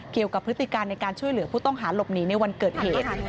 พฤติการในการช่วยเหลือผู้ต้องหาหลบหนีในวันเกิดเหตุ